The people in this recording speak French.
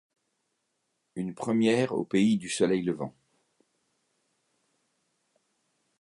Une première au pays du soleil levant.